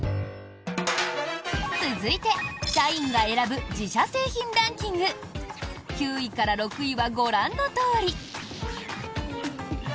続いて社員が選ぶ自社製品ランキング９位から６位はご覧のとおり。